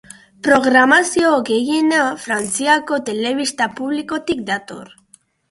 Programazio gehiena Frantziako telebista publikotik dator.